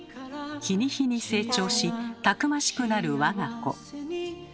日に日に成長したくましくなる我が子。